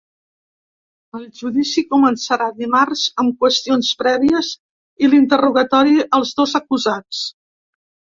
El judici començarà dimarts amb qüestions prèvies i l’interrogatori als dos acusats.